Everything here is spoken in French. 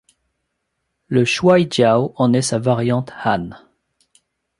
Le Shuai jiao en est sa variante han.